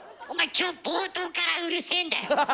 今日冒頭からうるせえんだよ！